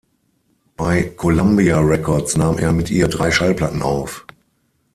Bei Columbia Records nahm er mit ihr drei Schallplatten auf.